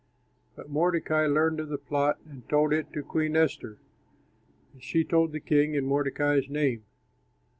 But Mordecai learned of the plot and told it to Queen Esther, and she told the king in Mordecai's name.